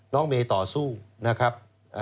น้องเมย์ต่อสู้นะครับ